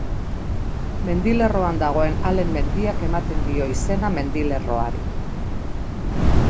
Mendilerroan dagoen Alen mendiak ematen dio izena mendilerroari.